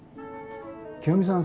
清美さん